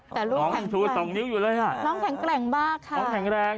แต่ลูกแข็งแกร่งน้องแข็งแกร่งมากค่ะ